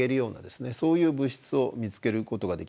そういう物質を見つけることができました。